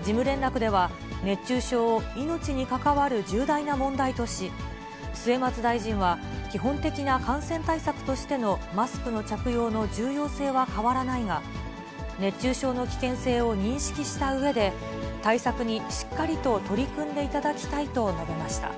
事務連絡では、熱中症を命に関わる重大な問題とし、末松大臣は基本的な感染対策としてのマスクの着用の重要性は変わらないが、熱中症の危険性を認識したうえで、対策にしっかりと取り組んでいただきたいと述べました。